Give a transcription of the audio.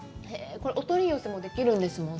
これお取り寄せもできるんですもんね。